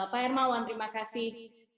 pak hermawan terima kasih